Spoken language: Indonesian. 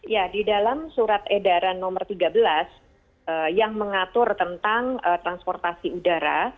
ya di dalam surat edaran nomor tiga belas yang mengatur tentang transportasi udara